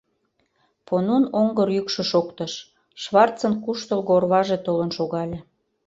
Понун оҥгыр йӱкшӧ шоктыш, Шварцын куштылго орваже толын шогале.